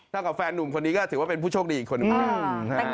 กับแฟนหนุ่มคนนี้ก็ถือว่าเป็นผู้โชคดีอีกคนหนึ่ง